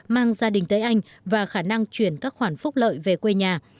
mang gia đình tới anh và khả năng chuyển các khoản phúc lợi về quê nhà